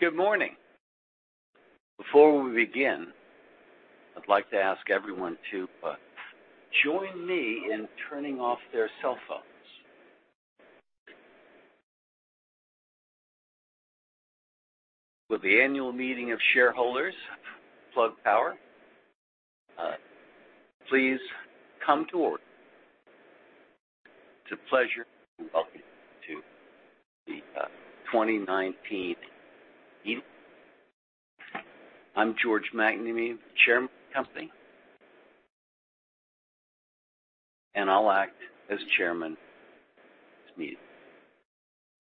Good morning. Before we begin, I'd like to ask everyone to join me in turning off their cell phones. Will the annual meeting of shareholders of Plug Power please come to order. It's a pleasure to welcome you to the 2019 meeting. I'm George McNamee, Chairman of the company, and I'll act as Chairman of this meeting.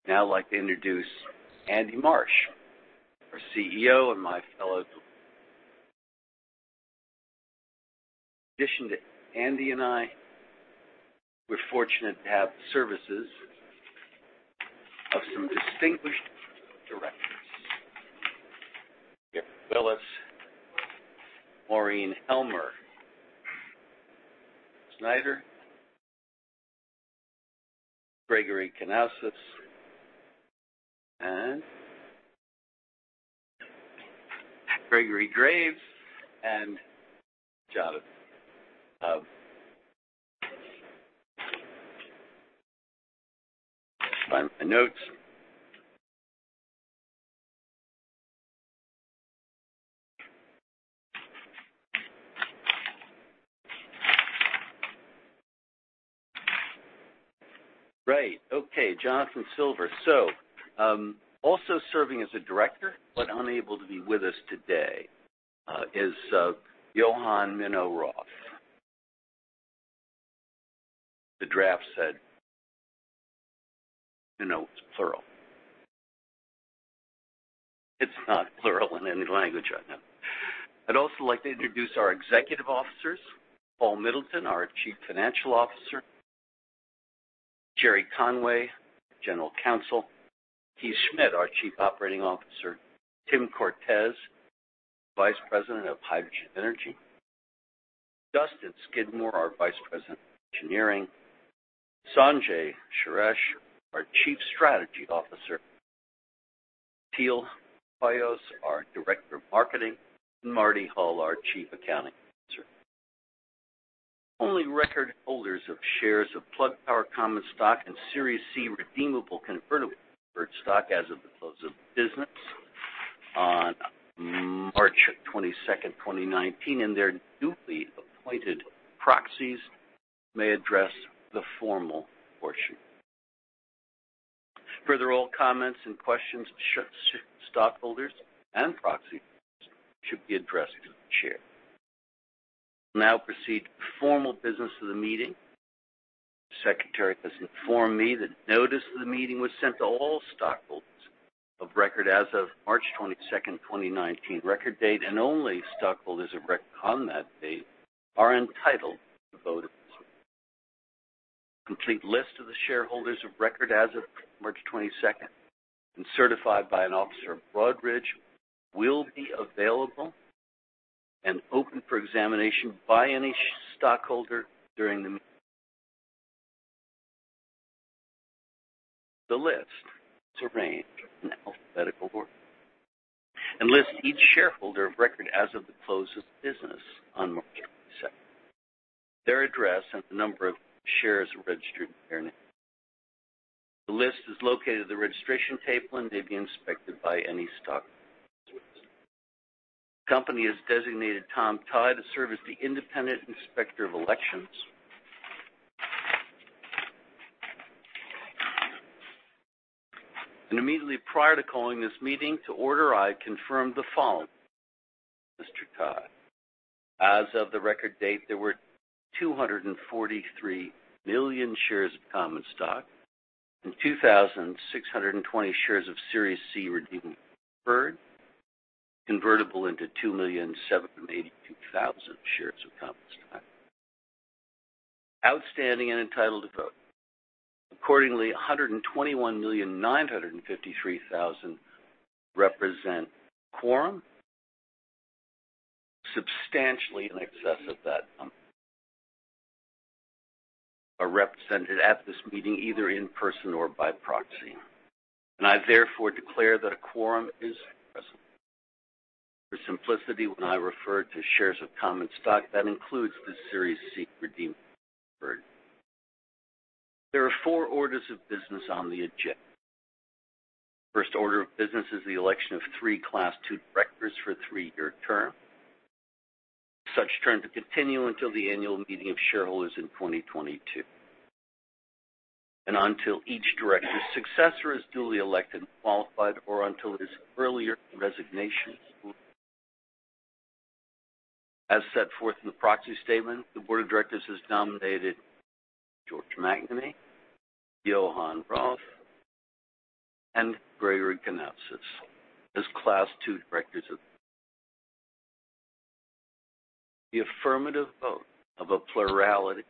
I'd like to introduce Andy Marsh, our CEO, and my fellow Director. In addition to Andy and I, we're fortunate to have the services of some distinguished Directors. Gary K. Willis, Maureen Helmer, Andrew Snyder, Gregory Kenausis, and Gregory Graves, and Jonathan Silver. Just find my notes. Great. Okay. Jonathan Silver. Also serving as a Director, but unable to be with us today, is Johannes Minho Roth. The draft said "Mineur," it's plural. It's not plural in any language I know. I'd also like to introduce our Executive Officers, Paul Middleton, our Chief Financial Officer, Gerard Conway, General Counsel, Keith Schmid, our Chief Operating Officer, Tim Cortes, Vice President of Hydrogen Energy, Dustin Skidmore, our Vice President of Engineering, Sanjay Shrestha, our Chief Strategy Officer, Teal Hoyos, our Director of Marketing, and Marty Hull, our Chief Accounting Officer. Only record holders of shares of Plug Power common stock and Series C redeemable convertible stock as of the close of business on March 22nd, 2019, and their duly appointed proxies may address the formal portion. All comments and questions from stockholders and proxies should be addressed to the Chair. We'll now proceed to the formal business of the meeting. The Secretary has informed me that notice of the meeting was sent to all stockholders of record as of March 22nd, 2019 record date, and only stockholders of record on that date are entitled to vote at this meeting. A complete list of the shareholders of record as of March 22nd and certified by an officer of Broadridge will be available and open for examination by any stockholder during the meeting. The list is arranged in alphabetical order and lists each shareholder of record as of the close of business on March 22nd, their address, and the number of shares registered in their name. The list is located at the registration table and may be inspected by any stockholder. The company has designated Tom Todd to serve as the Independent Inspector of Elections. Immediately prior to calling this meeting to order, I confirmed the following with Mr. Todd. As of the record date, there were 243 million shares of common stock and 2,620 shares of Series C redeemable preferred, convertible into 2,782,000 shares of common stock, outstanding and entitled to vote. 121,953,000 represent a quorum. Substantially in excess of that number are represented at this meeting, either in person or by proxy, and I therefore declare that a quorum is present. For simplicity, when I refer to shares of common stock, that includes the Series C redeemable preferred. There are four orders of business on the agenda. The first order of business is the election of three Class II Directors for a three-year term, such term to continue until the annual meeting of shareholders in 2022 and until each Director's successor is duly elected and qualified or until his earlier resignation. As set forth in the proxy statement, the board of directors has nominated George McNamee, Johan Roth, and Gregory Kenausis as Class 2 directors of the board. The affirmative vote of a plurality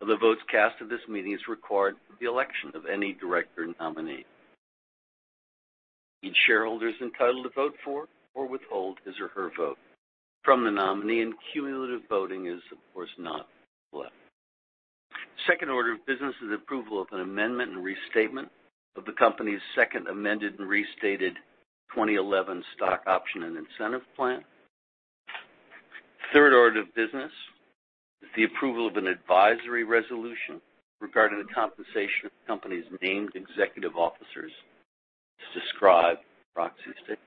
of the votes cast at this meeting is required for the election of any director nominee. Each shareholder is entitled to vote for or withhold his or her vote from the nominee, and cumulative voting is, of course, not allowed. Second order of business is approval of an amendment and restatement of the company's second amended and restated 2011 stock option and incentive plan. Third order of business is the approval of an advisory resolution regarding the compensation of the company's named executive officers, as described in the proxy statement.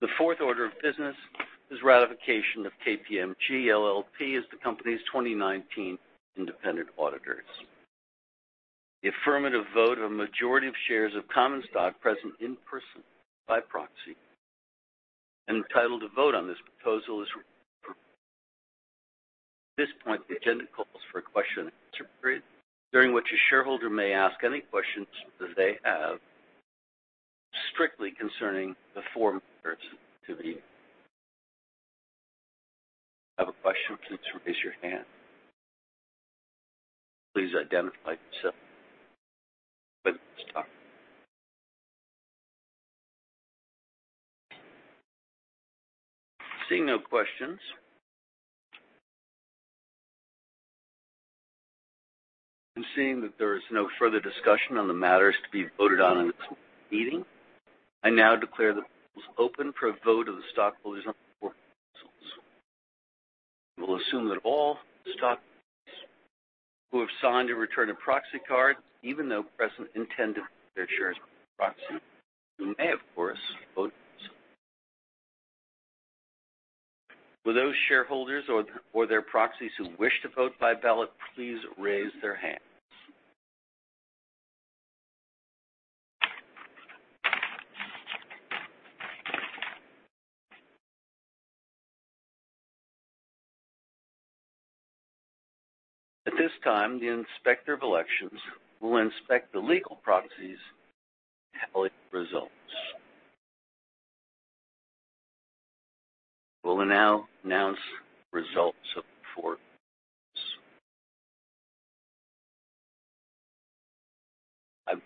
The fourth order of business is ratification of KPMG LLP as the company's 2019 independent auditors. The affirmative vote of a majority of shares of common stock present in person, by proxy, and entitled to vote on this proposal is. At this point, the agenda calls for a question and answer period, during which a shareholder may ask any questions that they have strictly concerning the four matters to be. Have a question, please raise your hand. Please identify yourself. Seeing no questions. Seeing that there is no further discussion on the matters to be voted on in this meeting, I now declare the polls open for a vote of the stockholders on the four proposals. We will assume that all stockholders who have signed and returned a proxy card, even though present, intend to vote their shares by proxy, who may, of course, vote. Will those shareholders or their proxies who wish to vote by ballot please raise their hands? At this time, the Inspector of Elections will inspect the legal proxies and tally the results. We'll now announce the results of the four. I'm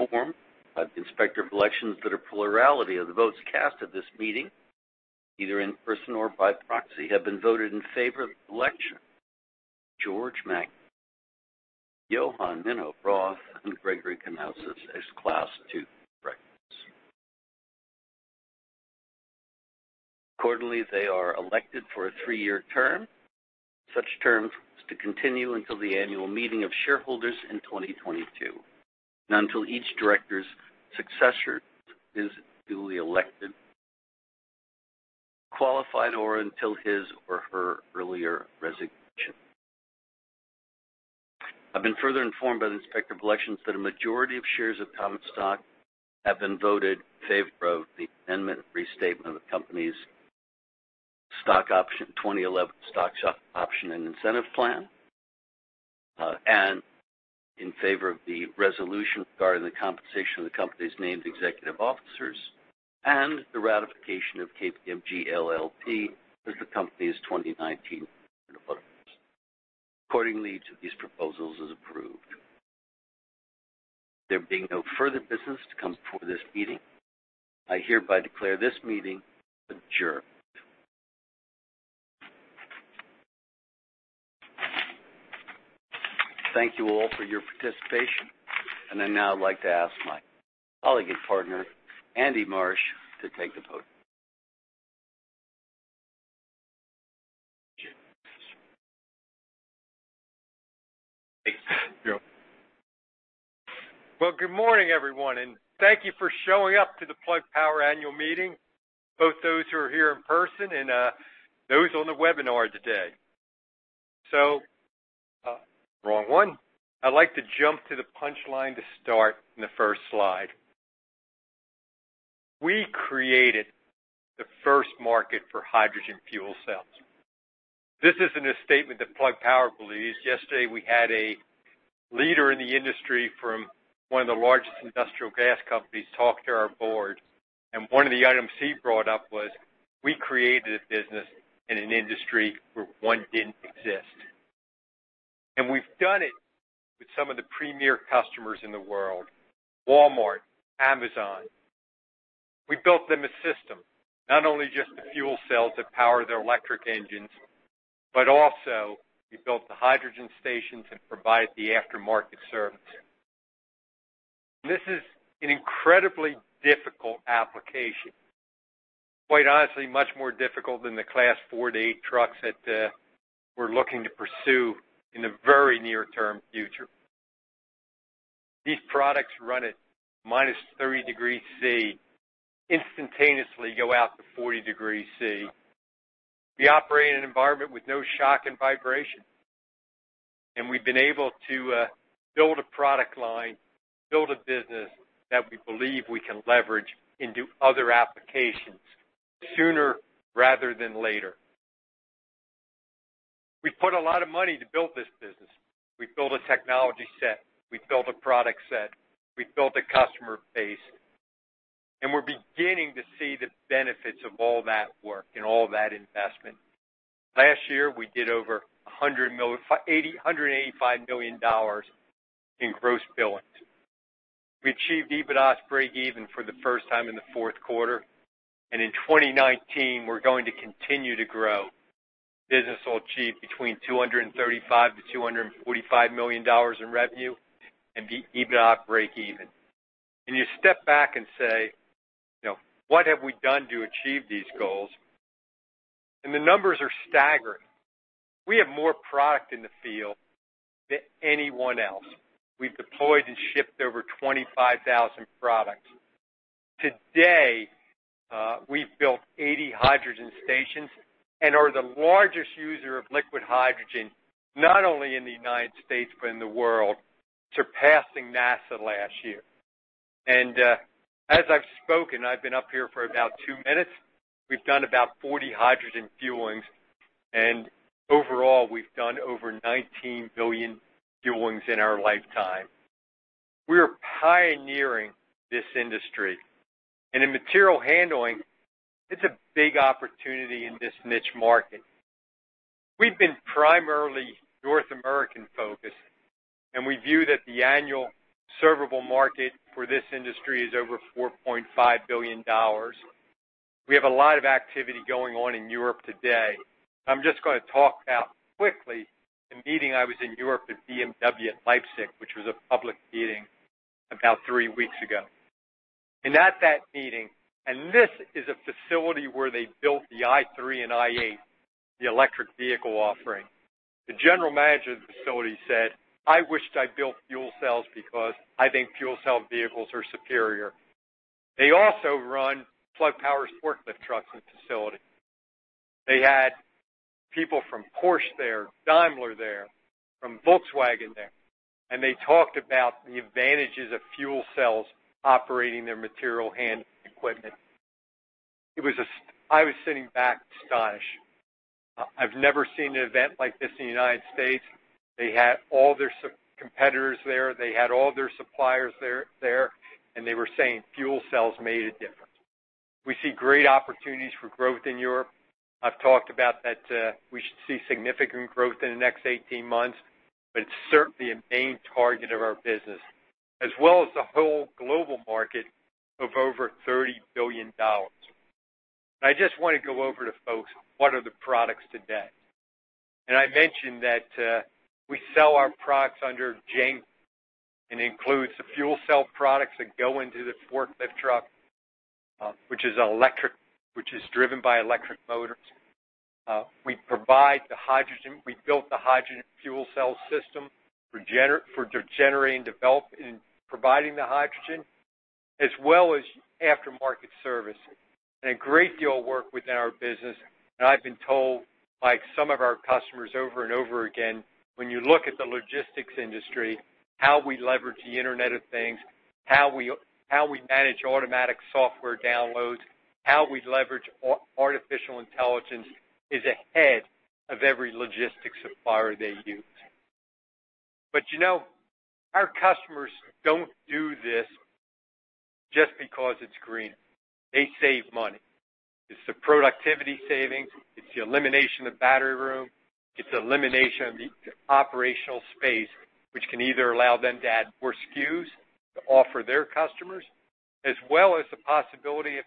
informed by the Inspector of Elections that a plurality of the votes cast at this meeting, either in person or by proxy, have been voted in favor of the election of George McNamee, Johan Minho Roth, and Gregory Kenausis as Class 2 directors. Accordingly, they are elected for a three-year term. Such term is to continue until the annual meeting of shareholders in 2022, and until each director's successor is duly elected, qualified, or until his or her earlier resignation. I've been further informed by the Inspector of Elections that a majority of shares of common stock have been voted in favor of the amendment and restatement of the company's 2011 stock option and incentive plan, and in favor of the resolution regarding the compensation of the company's named executive officers, and the ratification of KPMG LLP as the company's 2019 independent auditors. Accordingly, each of these proposals is approved. There being no further business to come before this meeting, I hereby declare this meeting adjourned. Thank you all for your participation. I'd now like to ask my colleague and partner, Andy Marsh, to take the podium. Thanks, George. Well, good morning, everyone, and thank you for showing up to the Plug Power Annual Meeting, both those who are here in person and those on the webinar today. Wrong one. I'd like to jump to the punchline to start in the first slide. We created the first market for hydrogen fuel cells. This isn't a statement that Plug Power believes. Yesterday, we had a leader in the industry from one of the largest industrial gas companies talk to our board, one of the items he brought up was we created a business in an industry where one didn't exist. We've done it with some of the premier customers in the world, Walmart, Amazon. We built them a system, not only just the fuel cells that power their electric engines, but also we built the hydrogen stations and provide the aftermarket service. This is an incredibly difficult application. Quite honestly, much more difficult than the Class 4 to 8 trucks that we're looking to pursue in the very near-term future. These products run at -30 degrees C, instantaneously go out to 40 degrees C. We operate in an environment with no shock and vibration. We've been able to build a product line, build a business that we believe we can leverage into other applications sooner rather than later. We put a lot of money to build this business. We built a technology set, we built a product set, we built a customer base. And we're beginning to see the benefits of all that work and all that investment. Last year, we did over $185 million in gross billings. We achieved EBITDA break even for the first time in the fourth quarter. In 2019, we're going to continue to grow. Business will achieve between $235 million-$245 million in revenue and be EBITDA break even. You step back and say, "What have we done to achieve these goals?" The numbers are staggering. We have more product in the field than anyone else. We've deployed and shipped over 25,000 products. Today, we've built 80 hydrogen stations and are the largest user of liquid hydrogen, not only in the U.S. but in the world, surpassing NASA last year. As I've spoken, I've been up here for about 2 minutes, we've done about 40 hydrogen fuelings, and overall, we've done over 19 billion fuelings in our lifetime. We are pioneering this industry. In material handling, it's a big opportunity in this niche market. We've been primarily North American focused, and we view that the annual servable market for this industry is over $4.5 billion. We have a lot of activity going on in Europe today. I'm just going to talk about quickly the meeting I was in Europe with BMW at Leipzig, which was a public meeting about 3 weeks ago. At that meeting, this is a facility where they built the i3 and i8, the electric vehicle offering. The general manager of the facility said, "I wished I'd built fuel cells because I think fuel cell vehicles are superior." They also run Plug Power's forklift trucks in the facility. They had people from Porsche there, Daimler there, from Volkswagen there, they talked about the advantages of fuel cells operating their material handling equipment. I was sitting back astonished. I've never seen an event like this in the U.S. They had all their competitors there, they had all their suppliers there, they were saying fuel cells made a difference. We see great opportunities for growth in Europe. I've talked about that we should see significant growth in the next 18 months, but it's certainly a main target of our business, as well as the whole global market of over $30 billion. I just want to go over to folks, what are the products today? I mentioned that we sell our products under GenDrive, and includes the fuel cell products that go into the forklift truck which is driven by electric motors. We provide the hydrogen, we built the hydrogen fuel cell system for generating, developing, and providing the hydrogen, as well as aftermarket service and a great deal of work within our business. I've been told by some of our customers over and over again, when you look at the logistics industry, how we leverage the Internet of Things, how we manage automatic software downloads, how we leverage artificial intelligence is ahead of every logistics supplier they use. Our customers don't do this just because it's greener. They save money. It's the productivity savings, it's the elimination of battery room, it's the elimination of the operational space, which can either allow them to add more SKUs to offer their customers, as well as the possibility of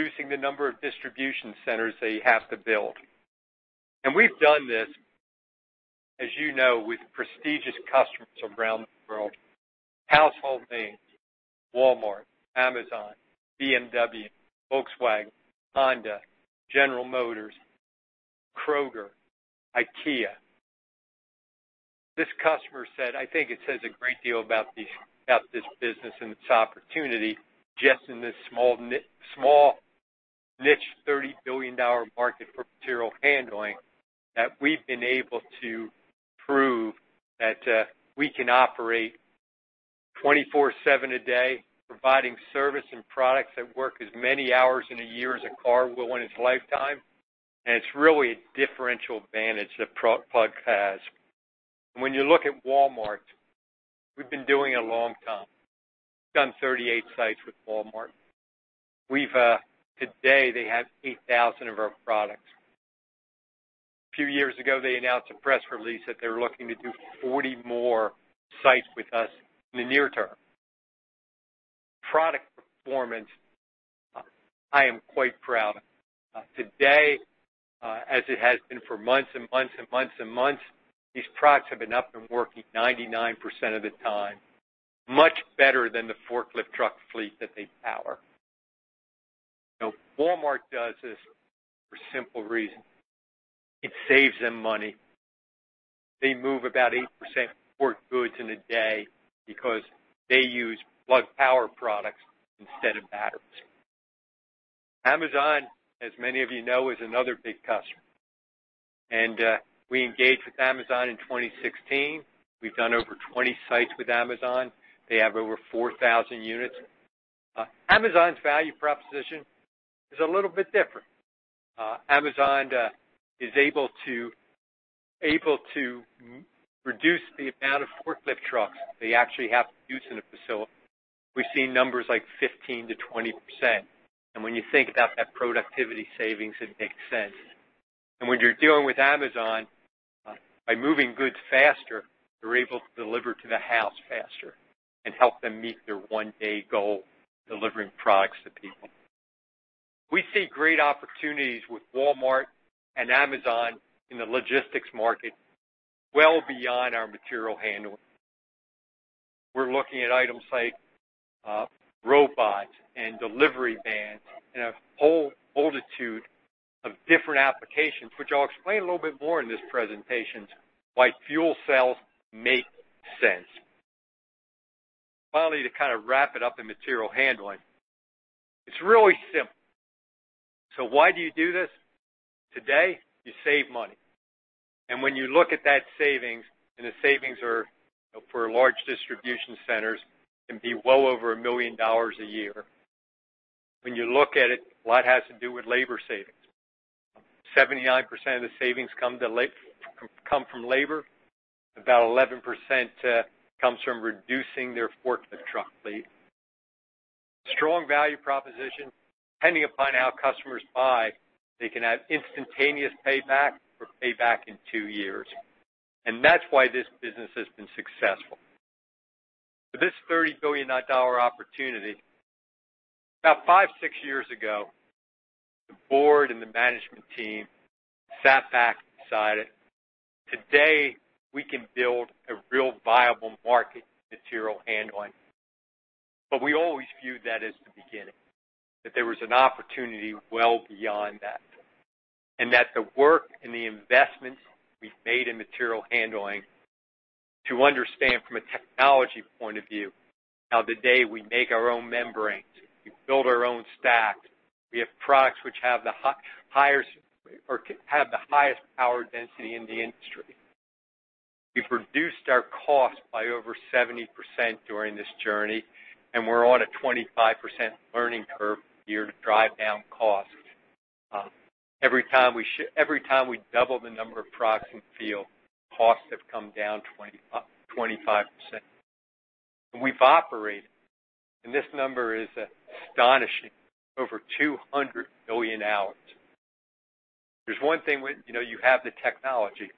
reducing the number of distribution centers they have to build. We've done this, as you know, with prestigious customers around the world, household names, Walmart, Amazon, BMW, Volkswagen, Honda, General Motors, Kroger, IKEA. This customer said, I think it says a great deal about this business and its opportunity just in this small niche, $30 billion market for material handling, that we've been able to prove that we can operate 24/7 a day, providing service and products that work as many hours in a year as a car will in its lifetime. It's really a differential advantage that Plug has. When you look at Walmart, we've been doing it a long time. We've done 38 sites with Walmart. Today, they have 8,000 of our products. A few years ago, they announced a press release that they were looking to do 40 more sites with us in the near term. Product performance, I am quite proud of. Today, as it has been for months and months and months and months, these products have been up and working 99% of the time, much better than the forklift truck fleet that they power. Walmart does this for a simple reason. It saves them money. They move about 8% more goods in a day because they use Plug Power products instead of batteries. We engaged with Amazon in 2016. We've done over 20 sites with Amazon. They have over 4,000 units. Amazon's value proposition is a little bit different. Amazon is able to reduce the amount of forklift trucks they actually have to use in a facility. We're seeing numbers like 15%-20%. When you think about that productivity savings, it makes sense. When you're dealing with Amazon, by moving goods faster, they're able to deliver to the house faster and help them meet their one-day goal delivering products to people. We see great opportunities with Walmart and Amazon in the logistics market well beyond our material handling. We're looking at items like, robots and delivery vans and a whole multitude of different applications, which I'll explain a little bit more in this presentation, why fuel cells make sense. Finally, to kind of wrap it up in material handling, it's really simple. Why do you do this? Today, you save money. When you look at that savings, and the savings are for large distribution centers can be well over $1 million a year. When you look at it, a lot has to do with labor savings. 79% of the savings come from labor. About 11% comes from reducing their forklift truck fleet. Strong value proposition, depending upon how customers buy, they can have instantaneous payback or payback in two years. That's why this business has been successful. This $30 billion opportunity, about five, six years ago, the board and the management team sat back and decided, today, we can build a real viable market in material handling. We always viewed that as the beginning, that there was an opportunity well beyond that. That the work and the investments we've made in material handling to understand from a technology point of view how today we make our own membranes, we build our own stacks, we have products which have the highest power density in the industry. We've reduced our cost by over 70% during this journey, and we're on a 25% learning curve year to drive down costs. Every time we double the number of products in the field, costs have come down 25%. We've operated, and this number is astonishing, over 200 billion hours. There's one thing when you have the technology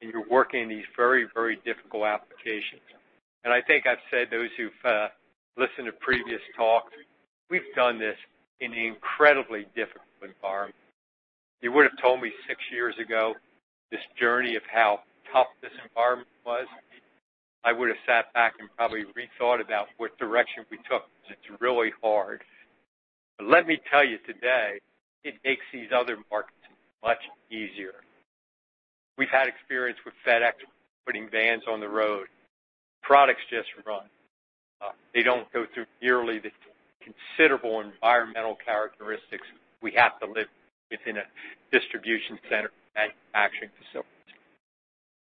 and you're working in these very, very difficult applications. I think I've said those who've listened to previous talks, we've done this in an incredibly difficult environment. You would have told me six years ago, this journey of how tough this environment was, I would have sat back and probably rethought about what direction we took because it's really hard. Let me tell you today, it makes these other markets much easier. We've had experience with FedEx putting vans on the road. Products just run. They don't go through nearly the considerable environmental characteristics we have to live within a distribution center manufacturing facilities.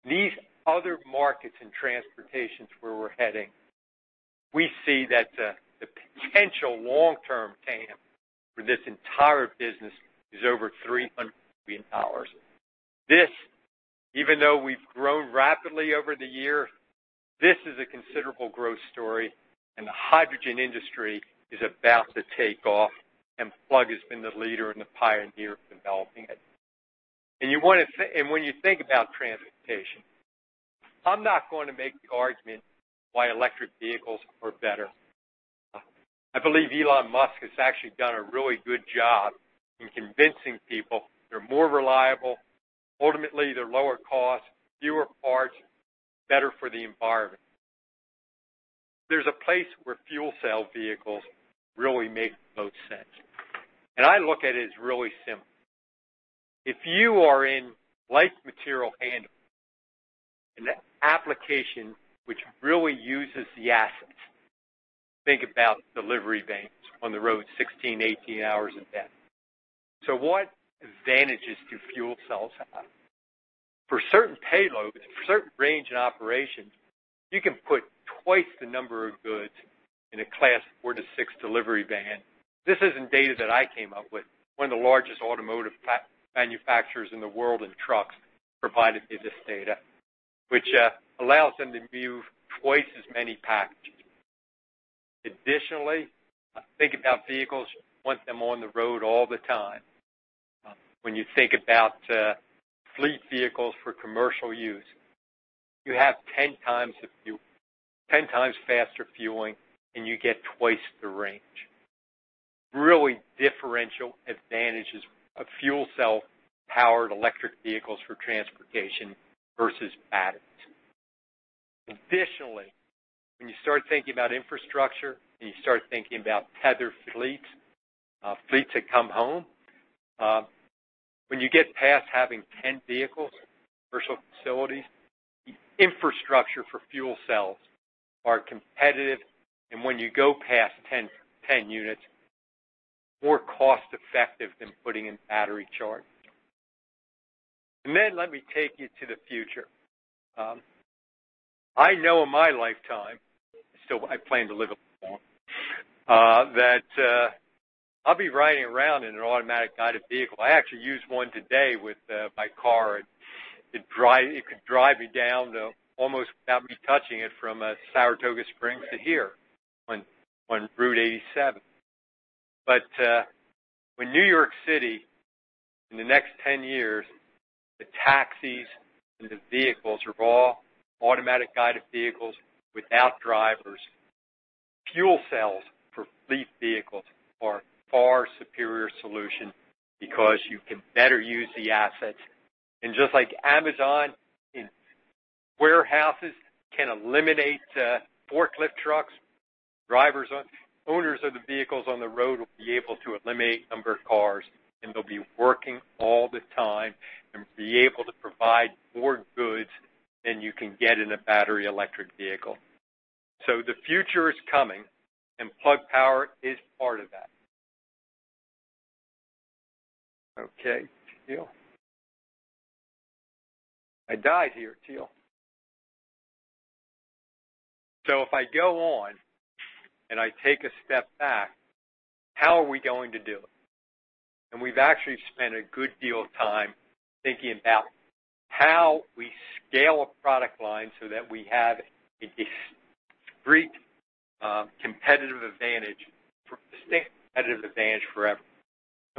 These other markets in transportation is where we're heading. We see that the potential long-term TAM for this entire business is over $300 billion. This, even though we've grown rapidly over the year, this is a considerable growth story, and the hydrogen industry is about to take off, and Plug has been the leader and the pioneer of developing it. When you think about transportation, I'm not going to make the argument why electric vehicles are better. I believe Elon Musk has actually done a really good job in convincing people they're more reliable, ultimately, they're lower cost, fewer parts, better for the environment. There's a place where fuel cell vehicles really make the most sense. I look at it as really simple. If you are in life material handling, in the application which really uses the assets, think about delivery vans on the road 16, 18 hours a day. What advantages do fuel cells have? For certain payloads, for certain range and operations, you can put twice the number of goods in a Class 4 to 6 delivery van. This isn't data that I came up with. One of the largest automotive manufacturers in the world in trucks provided me this data, which allows them to move twice as many packages. Additionally, think about vehicles, you want them on the road all the time. When you think about fleet vehicles for commercial use, you have 10 times faster fueling, and you get twice the range. Really differential advantages of fuel cell powered electric vehicles for transportation versus batteries. Additionally, when you start thinking about infrastructure and you start thinking about tethered fleets that come home, when you get past having 10 vehicles, commercial facilities, the infrastructure for fuel cells are competitive, and when you go past 10 units, more cost-effective than putting in battery charging. Let me take you to the future. I know in my lifetime, still I plan to live. That I'll be riding around in an automatic guided vehicle. I actually used one today with my car. It could drive me down almost without me touching it from Saratoga Springs to here on Route 87. When New York City, in the next 10 years, the taxis and the vehicles are all automatic guided vehicles without drivers, fuel cells for fleet vehicles are a far superior solution because you can better use the assets. Just like Amazon in warehouses can eliminate forklift trucks, owners of the vehicles on the road will be able to eliminate a number of cars, and they'll be working all the time and be able to provide more goods than you can get in a battery electric vehicle. The future is coming, and Plug Power is part of that. Okay, Teal. I died here, Teal. If I go on and I take a step back, how are we going to do it? We've actually spent a good deal of time thinking about how we scale a product line so that we have a discreet competitive advantage, a distinct competitive advantage forever.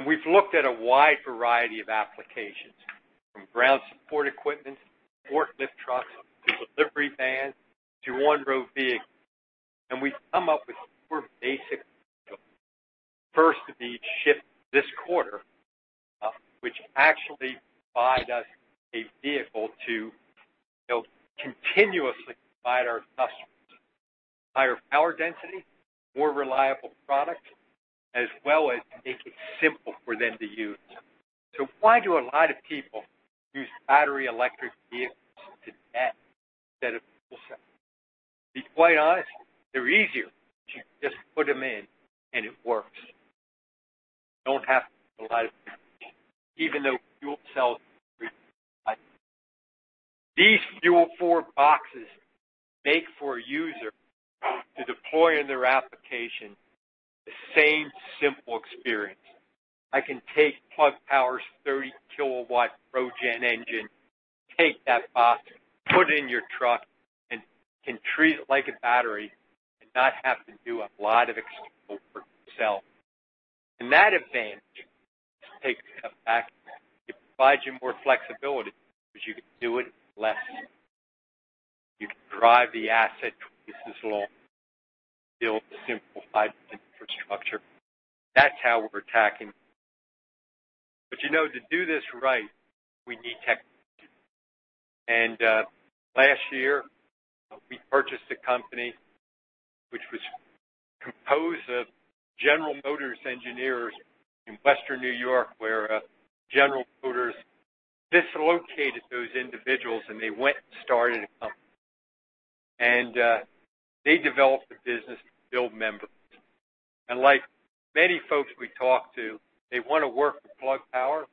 We've looked at a wide variety of applications, from ground support equipment to forklift trucks, to delivery vans, to on-road vehicles. That advantage takes a step back. It provides you more flexibility because you can do it less. You can drive the asset business along, still with a simplified infrastructure. That's how we're attacking. To do this right, we need technology. Last year, we purchased a company which was composed of General Motors engineers in Western New York, where General Motors dislocated those individuals, and they went and started a company. They developed a business to build MEAs. Like many folks we talk to, they want to work for Plug Power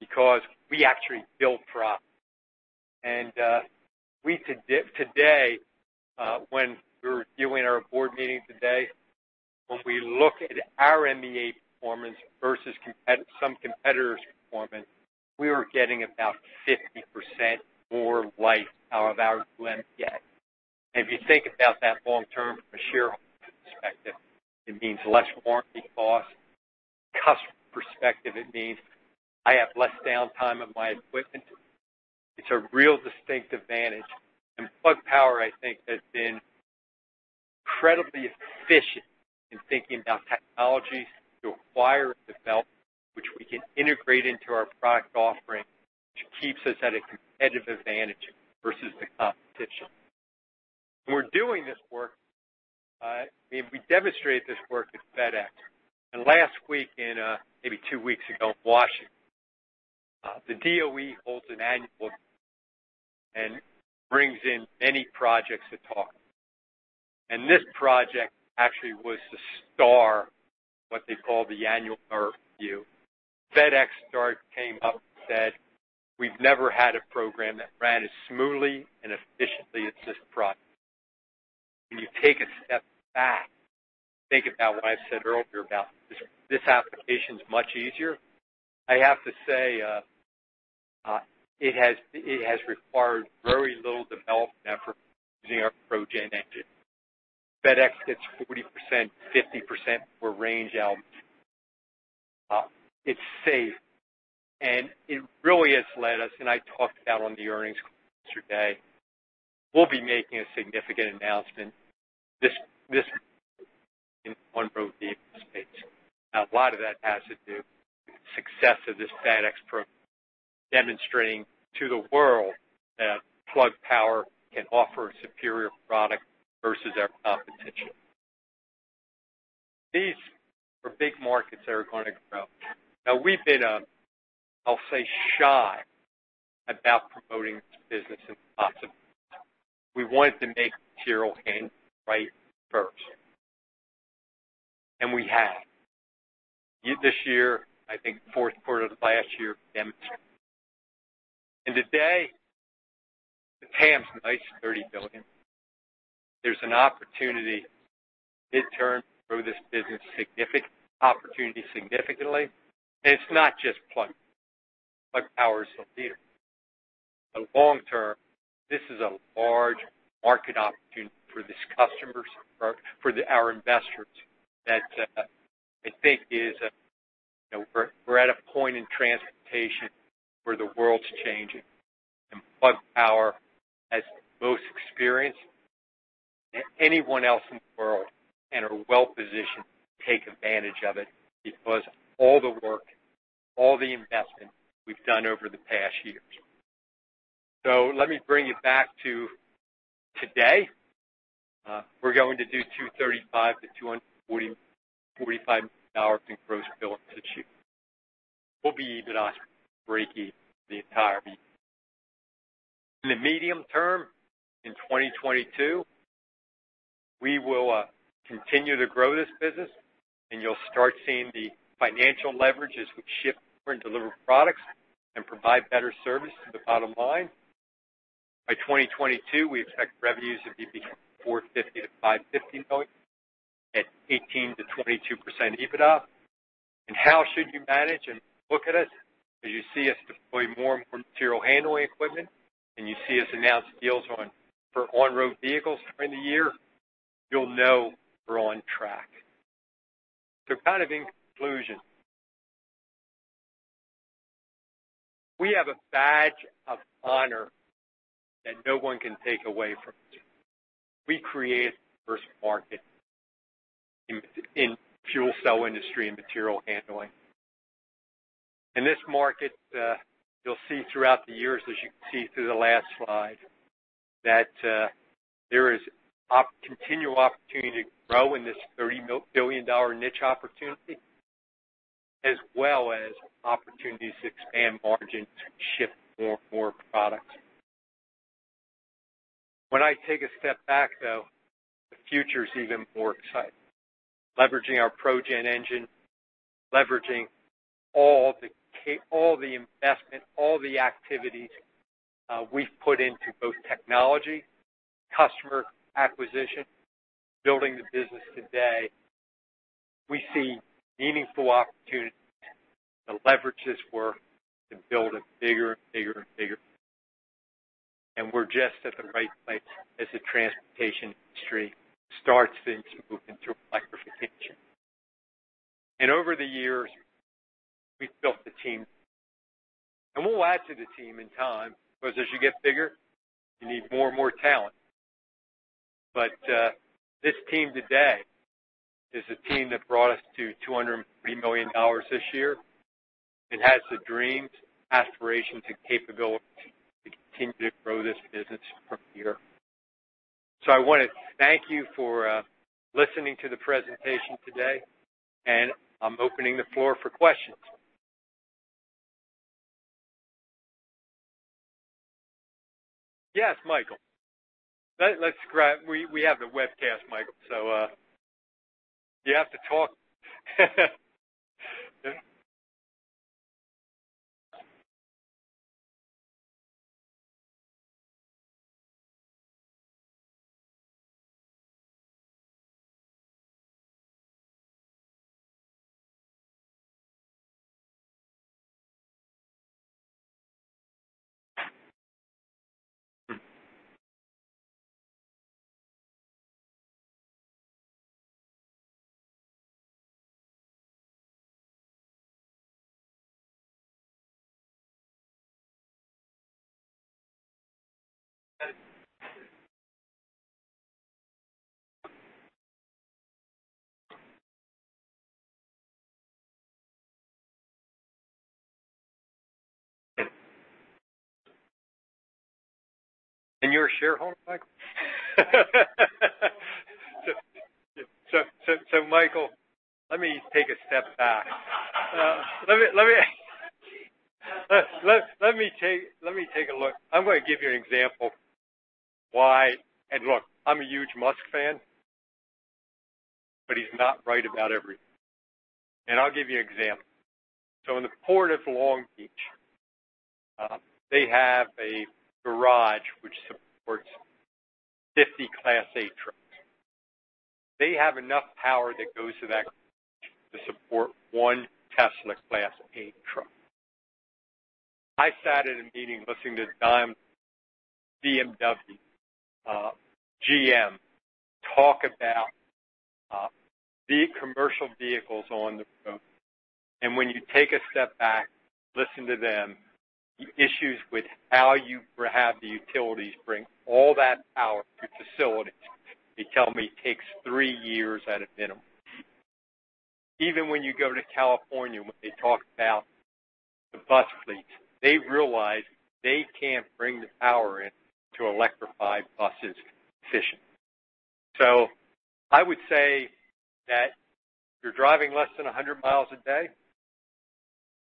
because we actually build products. Today, when we were doing our board meeting today, when we look at our MEA performance versus some competitor's performance, we were getting about 50% more life out of [our MEA]. If you think about that long term from a shareholder perspective, it means less warranty costs. From a customer perspective, it means I have less downtime of my equipment. It's a real distinct advantage. Plug Power, I think has been incredibly efficient in thinking about technologies to acquire and develop, which we can integrate into our product offering, which keeps us at a competitive advantage versus the competition. We're doing this work, we demonstrated this work with FedEx. Last week in, maybe two weeks ago in Washington, the DOE holds an annual and brings in many projects to talk. This project actually was the star of what they call the annual review. FedEx Star came up and said, "We've never had a program that ran as smoothly and efficiently as this product." When you take a step back and think about what I said earlier about this application's much easier, I have to say it has required very little development effort using our ProGen engine. FedEx gets 40%-50% for range out. It's safe, and it really has led us, and I talked about on the earnings call yesterday, we'll be making a significant announcement this week in the on-road vehicle space. A lot of that has to do with success of this FedEx program, demonstrating to the world that Plug Power can offer a superior product versus our competition. These are big markets that are going to grow. We've been, I'll say, shy about promoting this business as possible. We wanted to make material handling right first. We have. This year, I think fourth quarter of last year, demonstrated. Today, the TAM's nice, $30 billion. There's an opportunity, mid-term, to grow this business opportunity significantly. It's not just Plug Power or fuel cell here. Long-term, this is a large market opportunity for these customers, for our investors, that I think. We're at a point in transportation where the world's changing, Plug Power has the most experience than anyone else in the world and are well-positioned to take advantage of it because all the work, all the investment we've done over the past years. Let me bring you back to today. We're going to do $235 million-$245 million in gross bill this year. We'll be EBITDA break-even for the entire year. In the medium term, in 2022, we will continue to grow this business and you'll start seeing the financial leverage as we ship more and deliver products and provide better service to the bottom line. By 2022, we expect revenues to be between $450 million-$550 million, at 18%-22% EBITDA. How should you manage and look at us? As you see us deploy more and more material handling equipment, and you see us announce deals for on-road vehicles during the year, you'll know we're on track. In conclusion, we have a badge of honor that no one can take away from us. We created the first market in fuel cell industry and material handling. In this market, you'll see throughout the years, as you can see through the last slide, that there is continual opportunity to grow in this $30 billion niche opportunity, as well as opportunities to expand margins and ship more products. When I take a step back, though, the future's even more exciting. Leveraging our ProGen engine, leveraging all the investment, all the activities we've put into both technology, customer acquisition, building the business today. We see meaningful opportunities to leverage this work to build it bigger and bigger. We're just at the right place as the transportation industry starts then to move into electrification. Over the years, we've built the team. We'll add to the team in time, because as you get bigger, you need more and more talent. This team today is the team that brought us to $203 million this year. It has the dreams, aspirations, and capabilities to continue to grow this business from here. I want to thank you for listening to the presentation today, and I'm opening the floor for questions. Yes, Michael. We have the webcast, Michael, so you have to talk. You're a shareholder, Michael? Michael, let me take a step back. Let me take a look. I'm going to give you an example why. Look, I'm a huge Musk fan, but he's not right about everything. I'll give you an example. In the Port of Long Beach, they have a garage which supports 50 Class 8 trucks. They have enough power that goes to that garage to support one Tesla Class 8 truck. I sat at a meeting listening to Daimler, BMW, GM, talk about the commercial vehicles on the road. When you take a step back, listen to them, the issues with how you have the utilities bring all that power to facilities, they tell me it takes three years at a minimum. Even when you go to California, when they talk about the bus fleets, they realize they can't bring the power in to electrify buses efficiently. I would say that if you're driving less than 100 miles a day,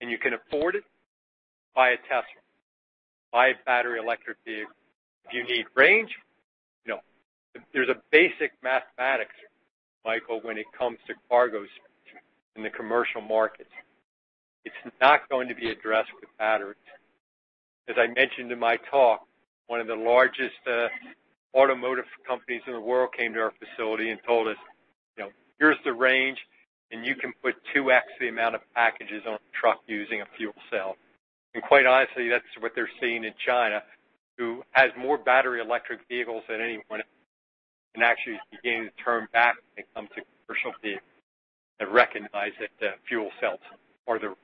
and you can afford it, buy a Tesla, buy a battery electric vehicle. If you need range, no. There's a basic math-Michael, when it comes to cargo space in the commercial markets, it's not going to be addressed with batteries. As I mentioned in my talk, one of the largest automotive companies in the world came to our facility and told us, "Here's the range, and you can put 2X the amount of packages on a truck using a fuel cell." Quite honestly, that's what they're seeing in China, who has more battery electric vehicles than anyone, and actually is beginning to turn back when it comes to commercial vehicles, and recognize that fuel cells are the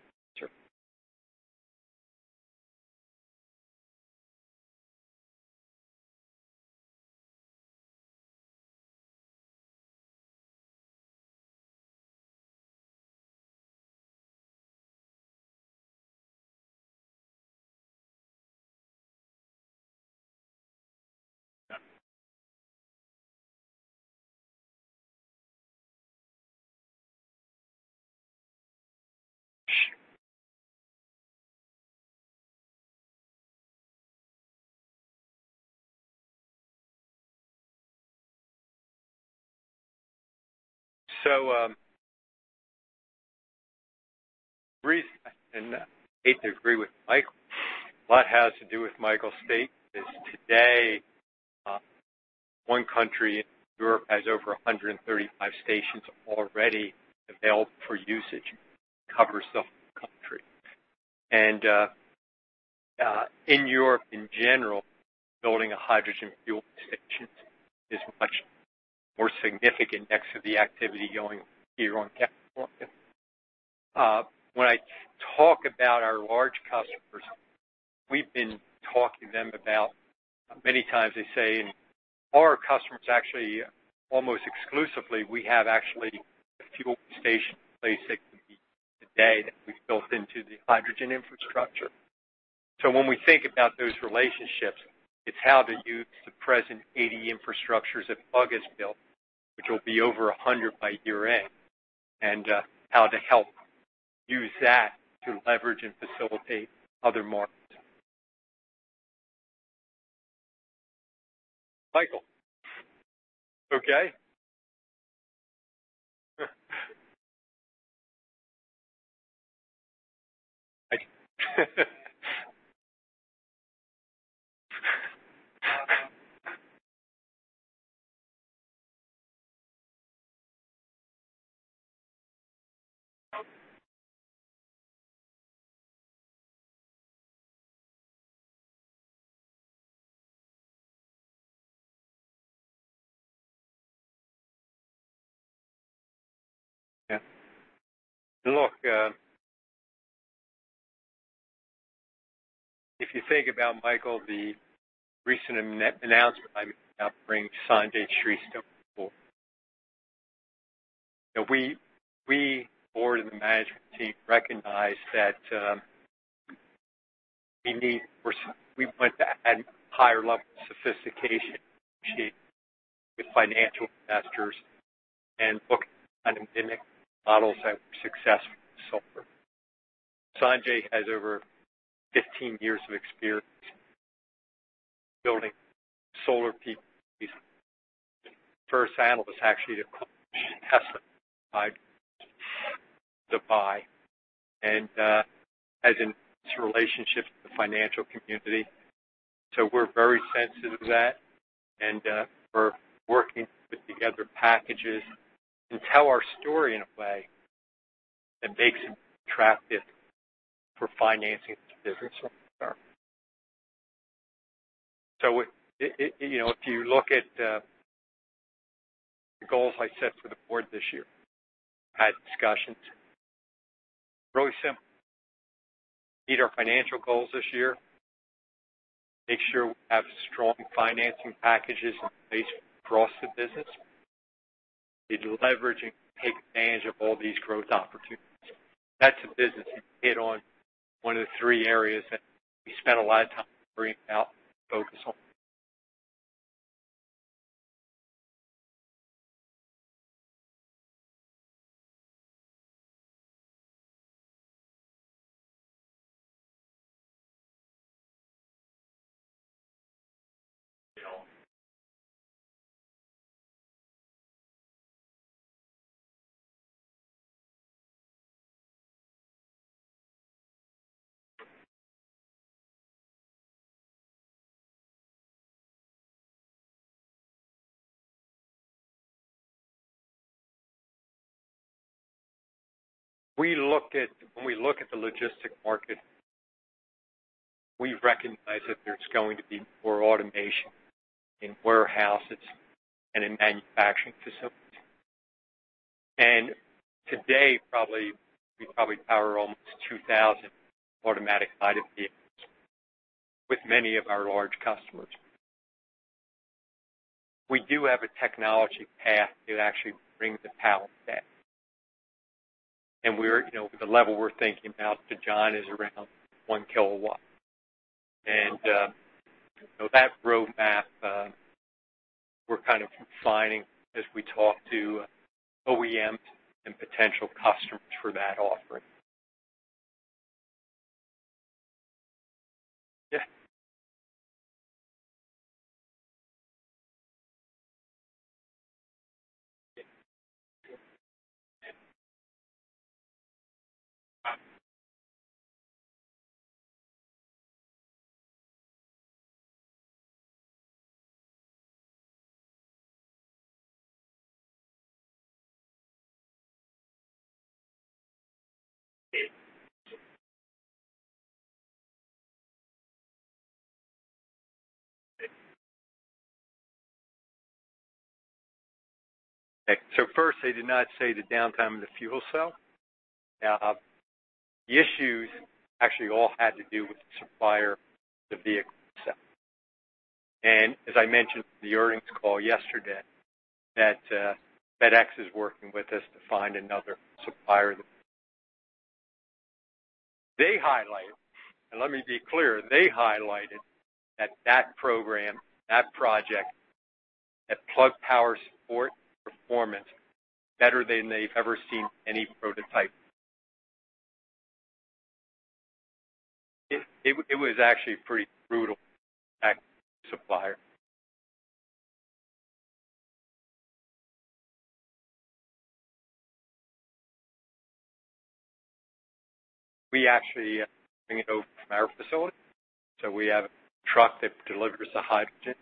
answer. The reason I hate to agree with Michael, a lot has to do with Michael's state, because today, one country in Europe has over 135 stations already available for usage, covers the whole country. In Europe in general, building a hydrogen fuel station is much more significant next to the activity going on here in California. When I talk about our large customers, we've been talking to them about, many times they say, and our customers actually, almost exclusively, we have actually a fuel station basically today that we've built into the hydrogen infrastructure. When we think about those relationships, it's how to use the present 80 infrastructures that Plug has built, which will be over 100 by year-end, and how to help use that to leverage and facilitate other markets. Michael. Okay. Look if you think about, Michael, the recent announcement I made about bringing Sanjay Shrestha on board. We, the board and the management team, recognized that we need to add a higher level of sophistication associated with financial investors and look at dynamic models that were successful in solar. Sanjay has over 15 years of experience building solar PPAs. If you look at the goals I set for the board this year, had discussions, really simple. Meet our financial goals this year, make sure we have strong financing packages in place across the business to leverage and take advantage of all these growth opportunities. That's a business you can hit on one of the three areas that we spent a lot of time figuring out what to focus on. When we look at the logistic market, we recognize that there's going to be more automation in warehouses and in manufacturing facilities. Today, we probably power almost 2,000 automatic guided vehicles with many of our large customers. We do have a technology path that actually brings a power set. The level we're thinking about, John, is around one kilowatt. That roadmap we're kind of refining as we talk to OEMs and potential customers for that offering. First, they did not say the downtime of the fuel cell. The issues actually all had to do with the supplier of the vehicle itself. As I mentioned in the earnings call yesterday, that FedEx is working with us to find another supplier. They highlighted, and let me be clear, they highlighted that that program, that project at Plug Power support performance better than they've ever seen any prototype. It was actually pretty brutal, that supplier. We actually bring it over from our facility. We have a truck that delivers the hydrogen.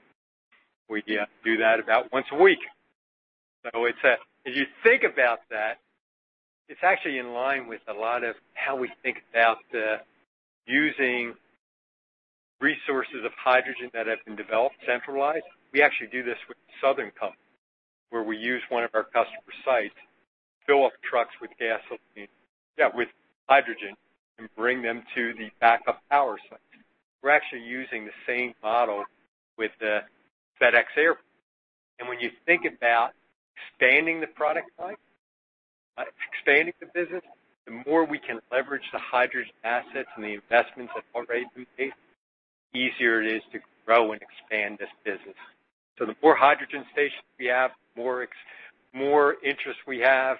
We do that about once a week. As you think about that, it's actually in line with a lot of how we think about using resources of hydrogen that have been developed centralized. We actually do this with The Southern Company, where we use one of our customer sites to fill up trucks with hydrogen and bring them to the backup power sites. We're actually using the same model with the FedEx Express World Hub. When you think about expanding the product line, expanding the business, the more we can leverage the hydrogen assets and the investments that already do exist, the easier it is to grow and expand this business. The more hydrogen stations we have, the more interest we have.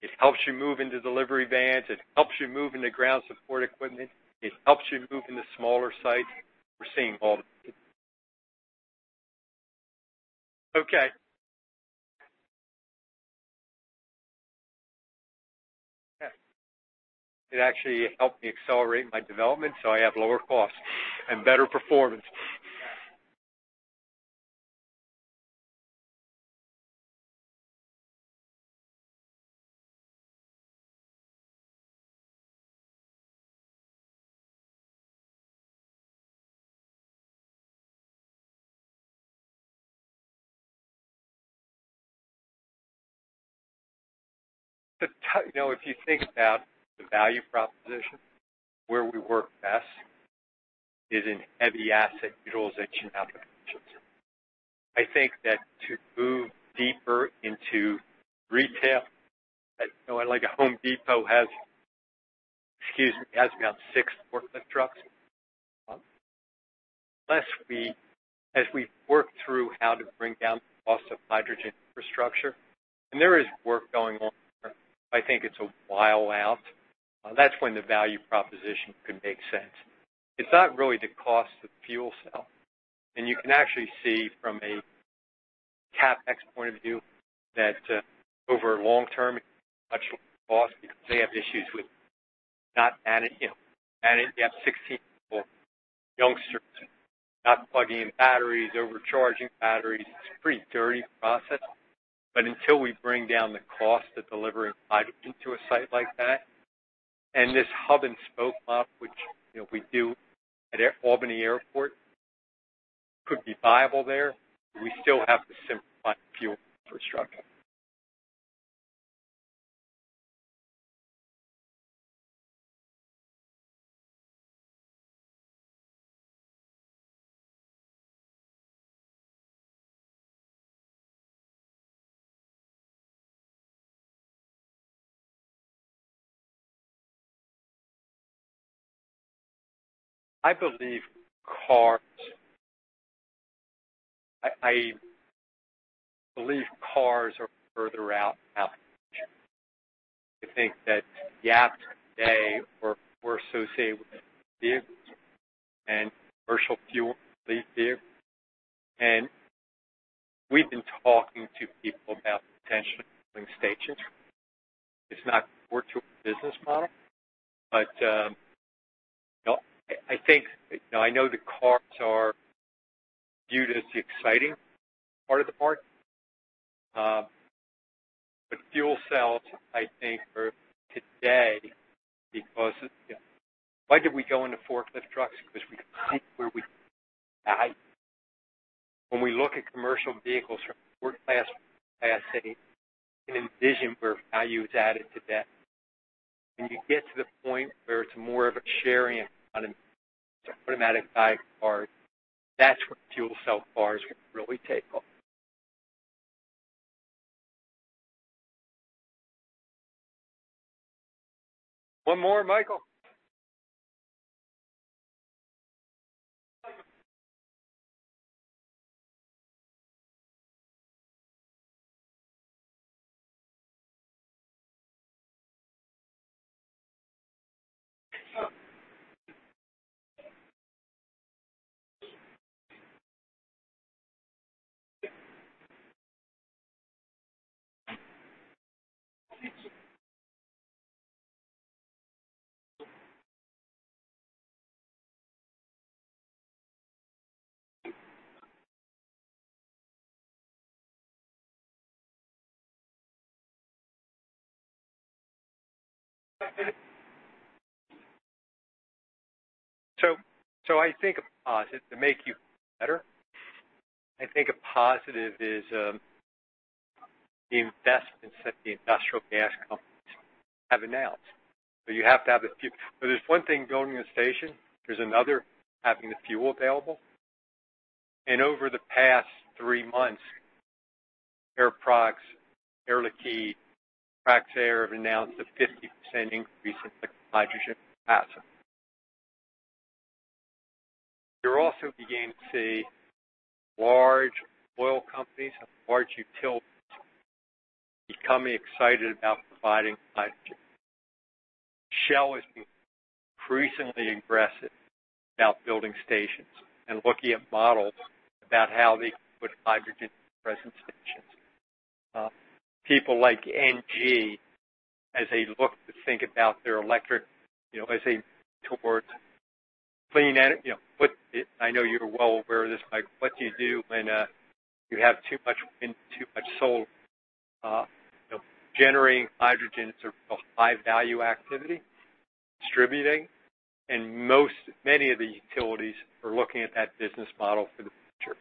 It helps you move into delivery vans. It helps you move into ground support equipment. It helps you move into smaller sites. We're seeing all that. Okay. It actually helped me accelerate my development, so I have lower costs and better performance. If you think about the value proposition, where we work best is in heavy asset utilization applications. I think that to move deeper into retail, like a The Home Depot has about six forklift trucks. Unless as we work through how to bring down the cost of hydrogen infrastructure, and there is work going on there, but I think it's a while out. That's when the value proposition could make sense. It's not really the cost of the fuel cell. And you can actually see from a CapEx point of view that over long term, it's much lower cost because they have issues with not managing. You have 16-year-old youngsters not plugging in batteries, overcharging batteries. It's a pretty dirty process. Until we bring down the cost of delivering hydrogen to a site like that, and this hub and spoke model, which we do at Albany Airport, could be viable there. We still have to simplify the fuel infrastructure. I believe cars are further out application. I think that the apps today were associated with vehicles and commercial fuel vehicles. We've been talking to people about potentially building stations. It's not core to our business model, but I know the cars are viewed as the exciting part of the market. Fuel cells, I think, are today because-- Why did we go into forklift trucks? Because we could see where we could add value. When we look at commercial vehicles from a forklifts capacity, we can envision where value is added to that. When you get to the point where it's more of a sharing on an [automatic buy car], that's when fuel cell cars can really take off. One more, Michael? I think a positive to make you better. I think a positive is the investments that the industrial gas companies have announced. You have to have the fuel. There's one thing, building a station, there's another, having the fuel available. Over the past three months, Air Products, Air Liquide, Praxair, have announced a 50% increase in their hydrogen capacity. You're also beginning to see large oil companies and large utilities becoming excited about providing hydrogen. Shell has been increasingly aggressive about building stations and looking at models about how they can put hydrogen present stations. People like Engie, as they look to think about their electric, as they move towards clean energy, I know you're well aware of this, Mike, what do you do when you have too much wind, too much solar? Generating hydrogen is a high-value activity, distributing, and many of the utilities are looking at that business model for the future.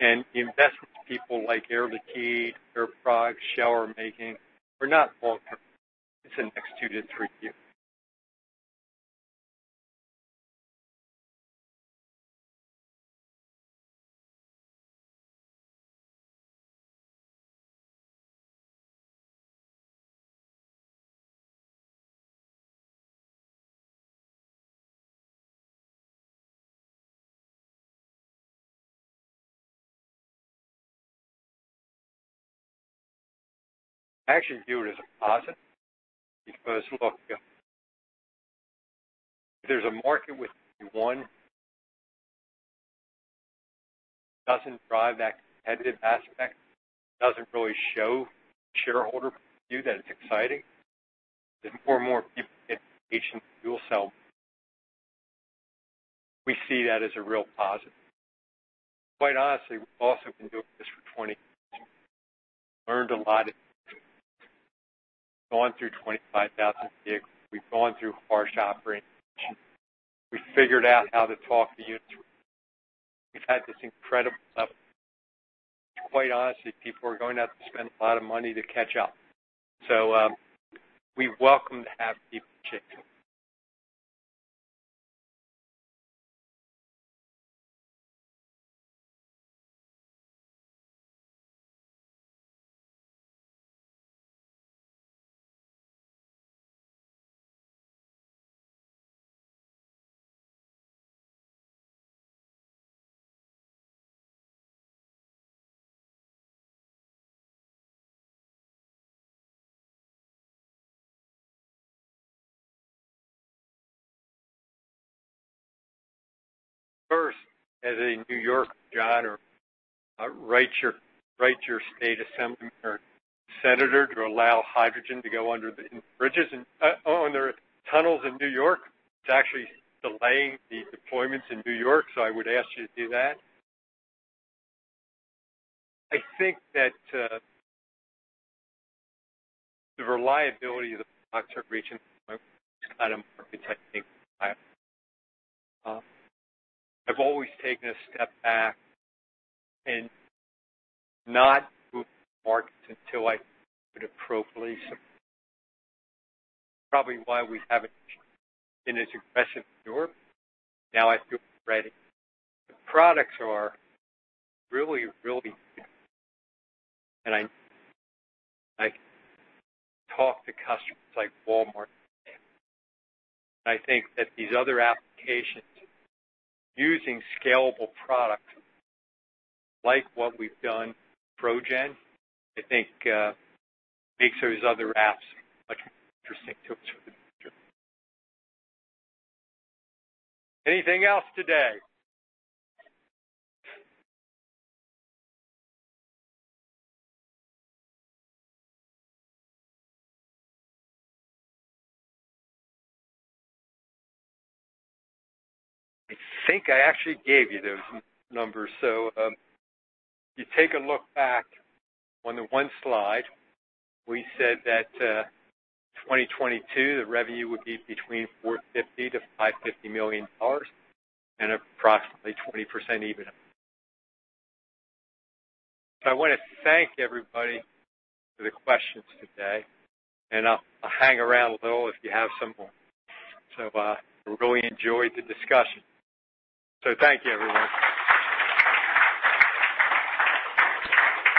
The investments people like Air Liquide, Air Products, Shell are making are not long-term. It's the next two to three years. I actually view it as a positive because, look, if there's a market with one doesn't drive that competitive aspect, doesn't really show shareholder view that it's exciting, then more and more people get patient fuel cell. We see that as a real positive. Quite honestly, we also have been doing this for 20 years. Learned a lot. Gone through 25,000 vehicles. We've gone through harsh operating conditions. We've figured out how to talk to you. We've had this incredible level. Quite honestly, people are going to have to spend a lot of money to catch up. We welcome to have people competing. First, as a New Yorker, write your state assembly or senator to allow hydrogen to go under the bridges and under tunnels in N.Y. It's actually delaying the deployments in N.Y., so I would ask you to do that. I think that the reliability of the products we're reaching is item architecting. I've always taken a step back and not moved to the market until I could appropriately support. Probably why we haven't been as aggressive in New York. Now I feel we're ready. The products are really, really good, and I talk to customers like Walmart. I think that these other applications using scalable products like what we've done with ProGen, I think makes those other apps much more interesting to us for the future. Anything else today? I think I actually gave you those numbers. If you take a look back on the one slide, we said that 2022, the revenue would be between $450 million to $550 million and approximately 20% EBITDA. I want to thank everybody for the questions today, and I'll hang around a little if you have some more. I really enjoyed the discussion. Thank you, everyone.